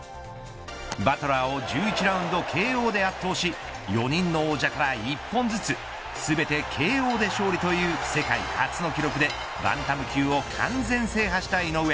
バトラーを１１ラウンドＫＯで圧倒し４人の王者から１本ずつ全てＫＯで勝利という世界初の記録でバンタム級を完全制覇した井上。